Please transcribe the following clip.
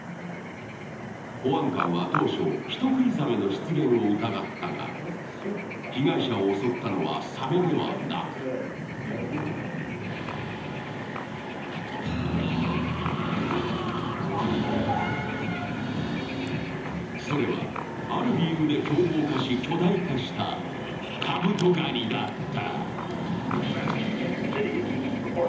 保安官は当初人食いざめの出現を疑ったが、被害者を襲ったのはさめではなくそれはある理由で凶暴化し、巨大化したカブトガニだった。